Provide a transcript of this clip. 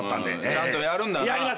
ちゃんとやるんだな？